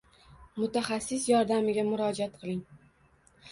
mutaxassis yordamiga murojaat qiling.